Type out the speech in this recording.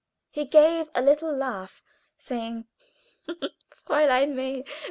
He gave a little laugh, saying: "Fräulein May!